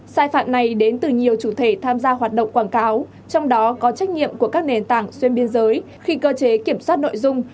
sai phạm này đến từ nhiều chủ thể tham gia hoạt động quảng cáo trong đó có trách nhiệm của các nền tảng xuyên biên giới khi cơ chế kiểm soát nội dung